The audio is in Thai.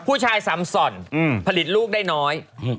ผู้ชายสำส่อนผลิตลูกได้น้อย